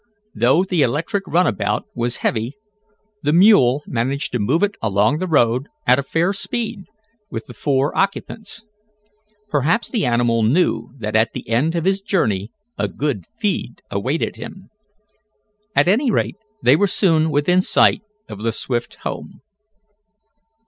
Though the electric runabout was heavy, the mule managed to move it along the road at a fair speed, with the four occupants. Perhaps the animal knew that at the end of his journey a good feed awaited him. At any rate they were soon within sight of the Swift home.